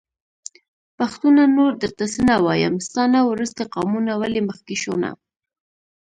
پښتونه نور درته څه نه وايم.. ستا نه وروستی قامونه ولي مخکې شو نه